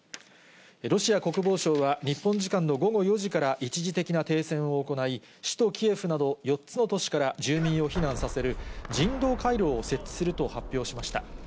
ロシア国防省は、日本時間午後４時から一時的な停戦を行い、首都キエフなど４つの都市から住民を避難させる人道回廊を設置すると発表しました。